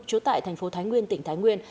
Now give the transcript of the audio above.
trú tại thành phố thái nguyên tỉnh thái nguyên